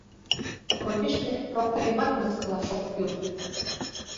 Конешне, Прокойымат мыскылаш ок кӱл.